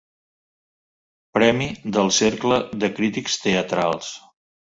Premi del Cercle de Crítics Teatrals.